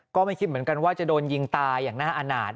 ก็ไม่คิดเหมือนกันว่าจะโดนยิงตายอย่างน่าอาณาจ